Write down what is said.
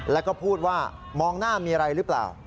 แล้วก็พูดว่ามองหน้ามีอะไรหรือเปล่า